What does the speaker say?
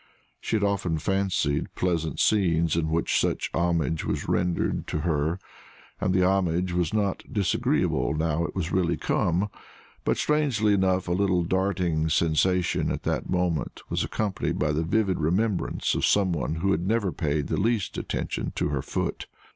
She had often fancied pleasant scenes in which such homage was rendered to her, and the homage was not disagreeable now it was really come; but, strangely enough, a little darting sensation at that moment was accompanied by the vivid remembrance of some one who had never paid the least attention to her foot.